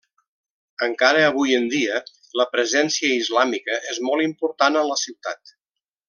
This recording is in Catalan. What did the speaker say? Encara avui en dia la presència islàmica és molt important a la ciutat.